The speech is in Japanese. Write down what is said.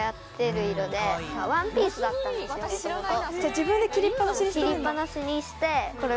自分で切りっ放しにしてる。